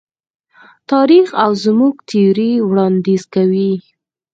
تاریخ او زموږ تیوري وړاندیز کوي.